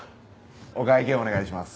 お会計お願いします。